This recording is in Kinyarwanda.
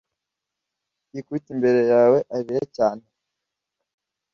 yikubite imbere yawe arira cyane